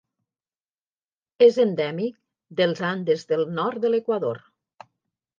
És endèmic dels Andes del nord de l'Equador.